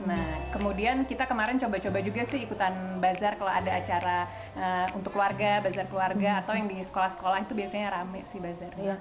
nah kemudian kita kemarin coba coba juga sih ikutan bazar kalau ada acara untuk keluarga bazar keluarga atau yang di sekolah sekolah itu biasanya rame sih bazarnya